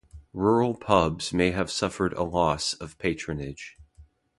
Rural pubs may have suffered a loss of patronage.